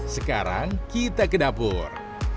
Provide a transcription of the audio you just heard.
sekarang kita ke dapur